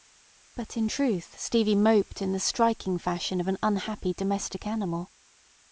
But, in truth, Stevie moped in the striking fashion of an unhappy domestic animal.